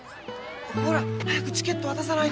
ほら早くチケット渡さないと